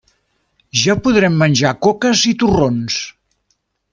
Ja podrem menjar coques i torrons.